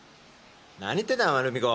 何言ってんだお前ルミ子。